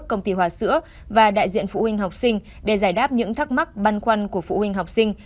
công ty hòa sữa và đại diện phụ huynh học sinh để giải đáp những thắc mắc băn khoăn của phụ huynh học sinh